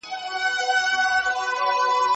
هغې په خپل منشي توب کې هم کیفیت درلود.